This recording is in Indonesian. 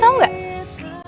kan aku mau praktek sore ini